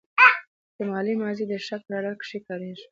احتمالي ماضي د شک په حالت کښي کاریږي.